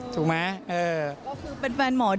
ถูกไหม